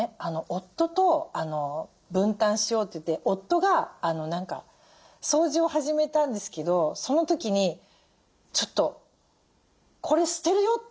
夫と分担しようといって夫が何か掃除を始めたんですけどその時に「ちょっとこれ捨てるよ」って言いだしたんですよ